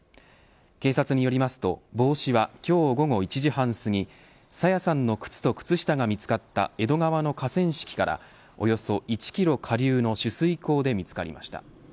警察によりますと帽子は、今日午後１時半すぎ朝芽さんの靴と靴下が見つかった江戸川の河川敷からおよそ１キロ下流の取水口で見つかりました。